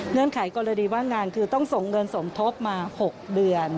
ไขกรณีว่างงานคือต้องส่งเงินสมทบมา๖เดือน